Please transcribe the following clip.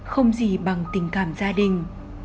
không gì bằng tình cảm gia đình